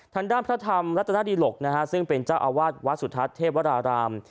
ทางด้านพระธรรมรัฐนาฬิหลกนะฮะซึ่งเป็นเจ้าอาวาสวัสดิ์สุทัศน์เทพวรราราม